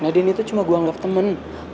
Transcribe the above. nadine itu cuma gue anggap temen